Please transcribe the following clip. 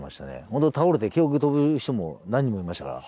本当倒れて記憶飛ぶ人も何人もいましたから。